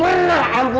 lu hanya akan benar